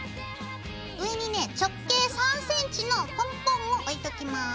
上にね直径３ｃｍのポンポンを置いときます。